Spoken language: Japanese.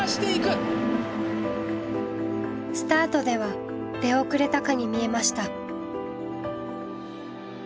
スタートでは出遅れたかに見えました。